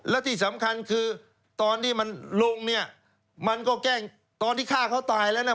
แล้วที่สำคัญคือตอนที่มันลงเนี่ยมันก็แกล้งตอนที่ฆ่าเขาตายแล้วนะ